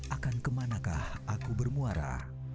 akan kemanakah aku bermuara